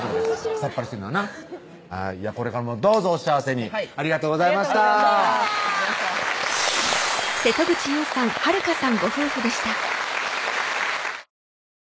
さっぱりしてんのはなこれからもどうぞお幸せにありがとうございましたそれでは続いての新婚さん